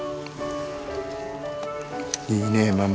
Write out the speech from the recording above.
いいねえママ。